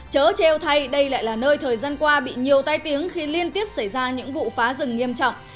chớ treo thay đây lại là nơi thời gian qua bị nhiều tai tiếng khi liên tiếp xảy ra những vụ phá rừng nghiêm trọng